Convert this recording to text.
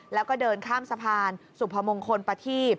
แล้วก็เดินข้ามสะพานสุพมงคลประทีบ